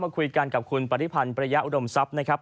คุยกันกับคุณปฏิพันธ์ประยะอุดมทรัพย์นะครับ